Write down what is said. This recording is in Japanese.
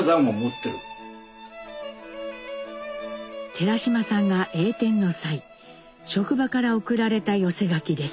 寺島さんが栄転の際職場から贈られた寄せ書きです。